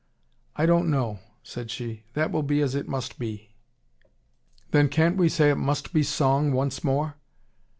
"I don't know," said she. "That will be as it must be." "Then can't we say it must be SONG once more?"